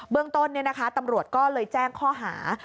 เรื่องต้นตำรวจก็เลยแจ้งข้อหา